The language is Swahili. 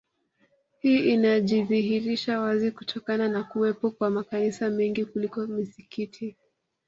Hii inajidhihirisha wazi kutokana na kuwepo kwa makanisa mengi kuliko misikiti